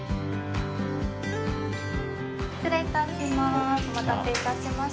失礼いたします。